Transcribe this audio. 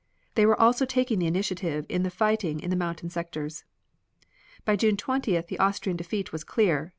They were also taking the initiative in the fighting in the mountain sectors. By June 20th the Austrian defeat was clear.